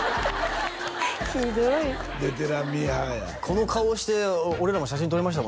ひどいベテランミーハーやこの顔をして俺らも写真撮りました